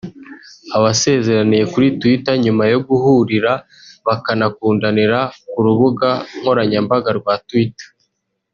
Abasezeraniye kuri Twitter Nyuma yo guhurira bakanakundanira ku rubuga nkoranyambaga rwa Twitter